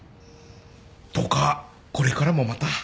どうかこれからもまた。